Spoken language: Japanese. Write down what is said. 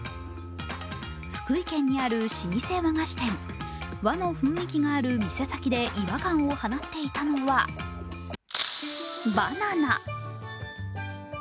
福井県にある老舗和菓子店、和の雰囲気のある店先で違和感を放っていたのはバナナ。